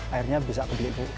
akhirnya bisa ke beliku